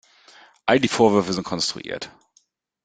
All die Vorwürfe sind konstruiert.